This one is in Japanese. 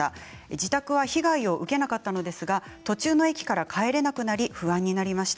自宅は被害を受けなかったんですが途中の駅から帰れなくなり不安になりました。